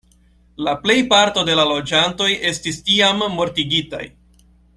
La plejparto de la loĝantoj estis tiam mortigitaj.